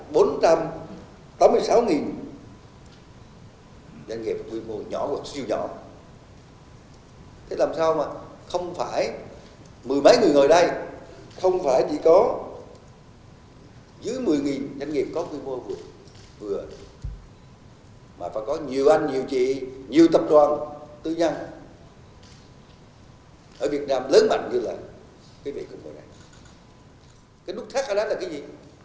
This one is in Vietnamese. doanh nghiệp doanh nghiệp quy mô nhỏ hoặc siêu nhỏ thế làm sao mà không phải mười mấy người ngồi đây không phải chỉ có dưới một mươi doanh nghiệp có quy mô vừa mà phải có nhiều anh nhiều chị nhiều tập đoàn tư nhân ở việt nam lớn mạnh như là quý vị cùng ngồi đây cái nút thác ở đó là cái gì